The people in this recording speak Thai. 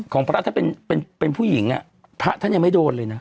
ของพระถ้าเป็นเป็นเป็นผู้หญิงอ่ะพระท่านยังไม่โดนเลยน่ะ